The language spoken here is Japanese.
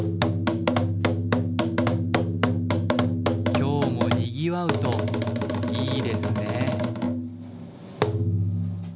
今日もにぎわうといいですね。